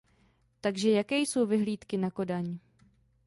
Takže jaké jsou vyhlídky na Kodaň?